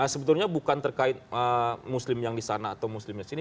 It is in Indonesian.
sebetulnya bukan terkait muslim yang di sana atau muslimnya di sini